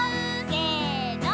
せの。